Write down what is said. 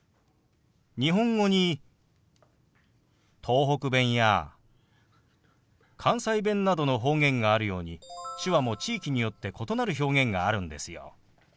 日本語に東北弁や関西弁などの方言があるように手話も地域によって異なる表現があるんですよ。